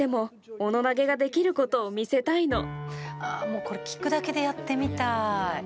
もうこれ聞くだけでやってみたい。